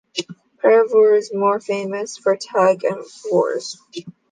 Paravur is famous for tug of wars.